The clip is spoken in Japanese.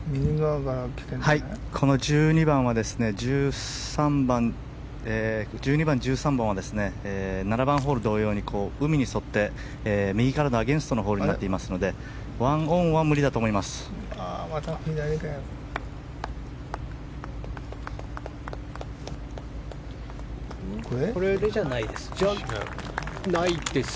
この１２番、１３番は７番ホール同様に海に沿って右からのアゲンストのホールになっていますので１オンは無理だと思います。